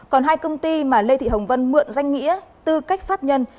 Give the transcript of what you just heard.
còn hai công ty mà lê thị hồng vân mượn danh nghĩa tư cách pháp nhân